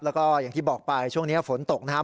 แล้วก็อย่างที่บอกไปช่วงนี้ฝนตกนะครับ